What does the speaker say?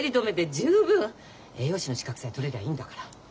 栄養士の資格さえ取れりゃいいんだから。